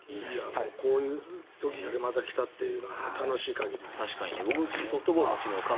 こういう時がまた来たというのは楽しい限り。